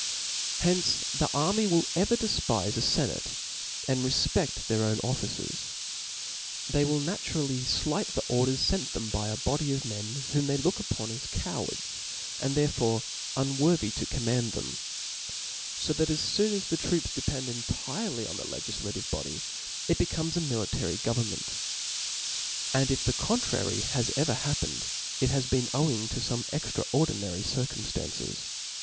Hence the army v(tll ever defpife a fenate, and refped their own of ficers. They will naturally flight the orders fcnt them by a body of men, whom they look upon as cowards, and therefore unworthy to command them« So that as foon as the troops depend entirely oa the legiHative body, it becomes a military govern ^ ipent ; and if the contrary has ever happened, it has been owing to fome extraordinary circom fiances.